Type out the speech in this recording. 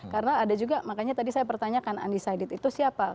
karena ada juga makanya tadi saya pertanyakan undecided itu siapa